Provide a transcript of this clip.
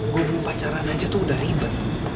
gue belum pacaran aja tuh udah ribet